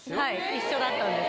一緒だったんです。